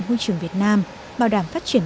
môi trường việt nam bảo đảm phát triển